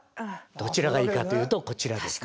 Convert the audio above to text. どちらがいいかというとこちらですね。